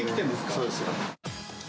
そうですよ。